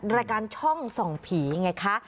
รายการช่องส่องผีไงคะ